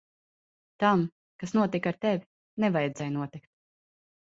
Tam, kas notika ar tevi, nevajadzēja notikt.